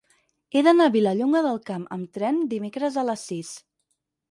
He d'anar a Vilallonga del Camp amb tren dimecres a les sis.